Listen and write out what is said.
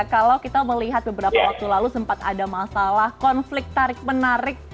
kalau kita melihat beberapa waktu lalu sempat ada masalah konflik tarik menarik